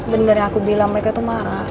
bener yang aku bilang mereka itu marah